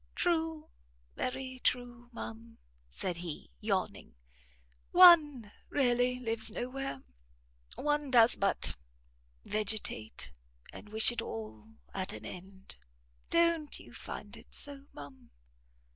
"True, very true, ma'am," said he, yawning, "one really lives no where; one does but vegetate, and wish it all at an end. Don't you find it so, ma'am?"